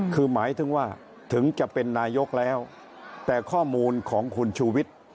คือหมายถึงว่าถึงจะเป็นนายกแล้วแต่ข้อมูลของคุณชูวิทย์